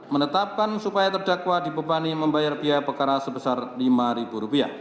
empat menetapkan supaya terdakwa dipebani membayar biaya pekara sebesar rp lima